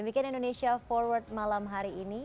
demikian indonesia forward malam hari ini